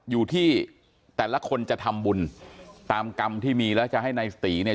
อยู่ที่แต่ละคนจะทำบุญตามกรรมที่มีแล้วจะให้นายตีเนี่ย